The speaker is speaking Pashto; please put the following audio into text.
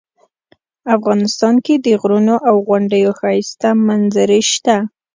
افغانستان کې د غرونو او غونډیو ښایسته منظرې شته